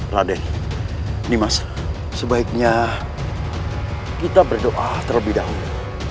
ladeh ini mas sebaiknya kita berdoa terlebih dahulu